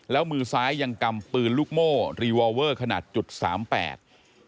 แล้วมือซ้ายยังกำปืนลูกโม่รีวอเวอร์ขนาดจุดสามแปด